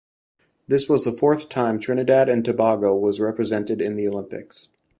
This was the fourth time Trinidad and Tobago was represented in the Olympics.